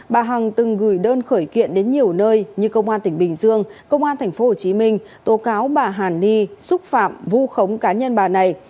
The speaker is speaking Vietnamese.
bà hằng từng gửi đơn khởi kiện đến nhiều nơi như công an tỉnh bình dương công an tp hcm tố cáo bà hàn ni xúc phạm vu khống cá nhân bà này